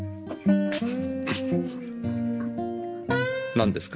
何ですか？